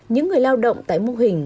những người lao động tại mô hình